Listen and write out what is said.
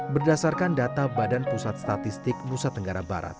berdasarkan data badan pusat statistik nusa tenggara barat